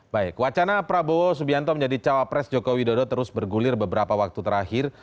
baik wacana prabowo subianto menjadi cawapres jokowi dodo terus bergulir beberapa waktu terakhir